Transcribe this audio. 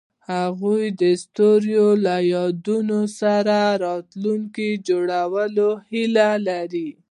هغوی د ستوري له یادونو سره راتلونکی جوړولو هیله لرله.